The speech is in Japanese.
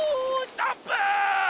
ストップ！